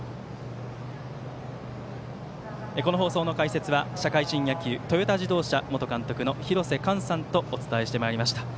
この放送の解説は社会人野球トヨタ自動車元監督の廣瀬寛さんとお伝えしてまいりました。